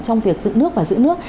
trong việc giữ nước và giữ nước